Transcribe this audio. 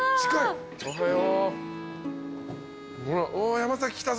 「山崎来たぞ」